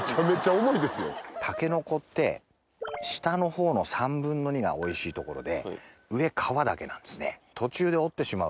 タケノコって下の方の３分の２がおいしいところで上皮だけなんですね。